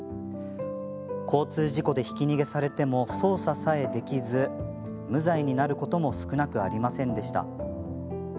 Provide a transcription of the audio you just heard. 交通事故で、ひき逃げされても捜査さえできず無罪になることも少なくありませんでした。